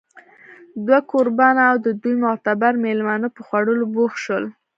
دوه کوربانه او د دوی معتبر مېلمانه په خوړلو بوخت شول